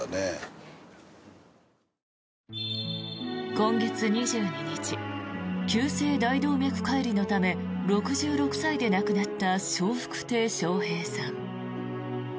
今月２２日急性大動脈解離のため６６歳で亡くなった笑福亭笑瓶さん。